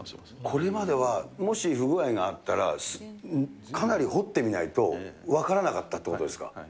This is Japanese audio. これまでは、もし不具合があったら、かなり掘ってみないと分からなかったということですか？